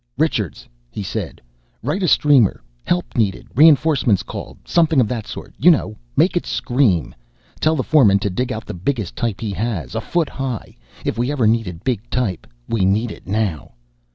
"Richards," he said, "write a streamer, 'Help Needed,' 'Reinforcements Called' something of that sort, you know. Make it scream. Tell the foreman to dig out the biggest type he has. A foot high. If we ever needed big type, we need it now!"